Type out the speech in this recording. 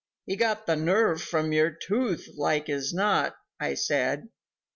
"He got the nerve from your tooth, like as not," I said.